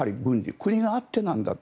国があってなんだと。